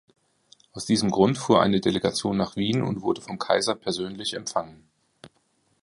Aus diesem Grund fuhr eine Delegation nach Wien und wurde vom Kaiser persönlich empfangen.